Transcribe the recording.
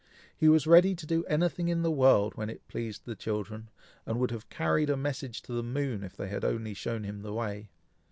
He was ready to do anything in the world when it pleased the children, and would have carried a message to the moon, if they had only shown him the way.